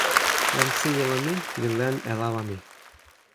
len sijelo mi li len e lawa mi.